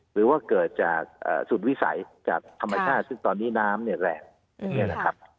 หรือว่าเกิดจากสูตรวิสัยจากธรรมชาติซึ่งตอนนี้น้ำเนี่ยแหละ